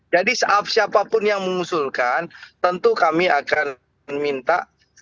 jadi siapapun yang mengusulkan tentu kami akan minta